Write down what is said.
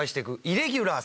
イレギュラー。